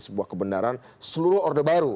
sebuah kebenaran seluruh orde baru